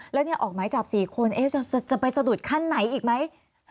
แล้วออกหมายจับ๔คนจะไปสะดุดขั้นไหนอีกไหม